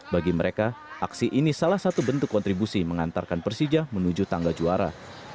bagi mereka aksi ini salah satu bentuk kontribusi mengantarkan persija menuju tangga juara